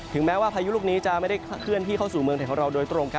แม้ว่าพายุลูกนี้จะไม่ได้เคลื่อนที่เข้าสู่เมืองไทยของเราโดยตรง